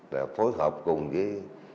và phối hợp cùng với